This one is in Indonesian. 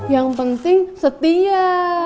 yang penting setia